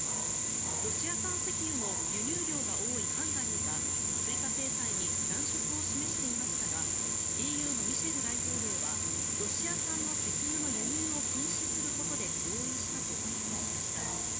ロシア産石油の輸入量が多いハンガリーが追加制裁に難色を示していましたがＥＵのミシェル大統領はロシア産の石油の輸入を禁止することで合意したと発表しました。